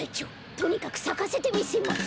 とにかくさかせてみせます。